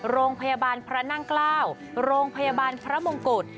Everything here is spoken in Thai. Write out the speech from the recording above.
โรงพยาบาลพระนั่งเกล้าโรงพยาบาลพระมงกุฎ